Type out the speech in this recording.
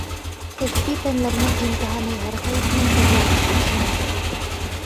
كەسپىي پەنلەرنىڭ ئىمتىھانى ھەرقايسى مەكتەپلەرنىڭ ئوخشىمايدۇ.